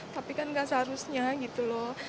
tapi kan nggak seharusnya gitu loh